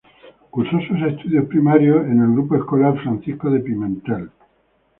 Cursó sus estudios primarios en el Grupo Escolar Francisco de Pimentel.